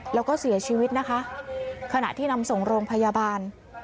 แล้วก็เสียชีวิตนะคะขณะที่นำส่งโรงพยาบาล